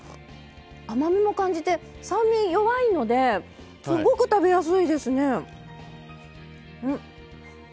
甘みも感じて酸味弱いのですごく食べやすいですね。